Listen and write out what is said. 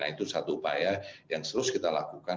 itu satu upaya yang terus kita lakukan